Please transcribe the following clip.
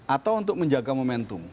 atau untuk menjaga momentum